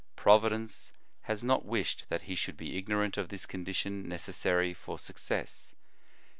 Providence has not wished that he should be ignorant of this condition necessary for success.